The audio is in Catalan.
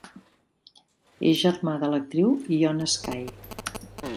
És germà de l'actriu Ione Skye.